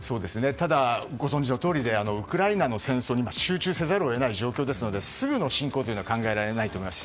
ただ、ご存じのとおりウクライナの戦争に集中せざるを得ない状況でしてすぐの侵攻は考えられないと思います。